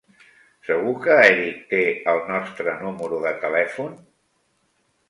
Segur que Erik té el nostre número de telèfon?